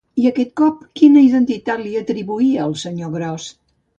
I aquest cop, quina identitat li atribuïa, el senyor gros?